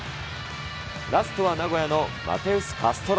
ラストは名古屋のマテウス・カストロ。